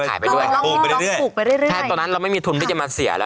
ขายไปด้วยลองปลูกไปเรื่อยเรื่อยใช่ตอนนั้นเราไม่มีทุนที่จะมาเสียแล้ว